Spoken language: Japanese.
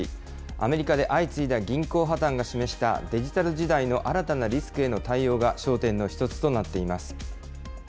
アメリカで相次いだ銀行破綻が示したデジタル時代の新たなリスクへの対応が焦点の一つとなっています。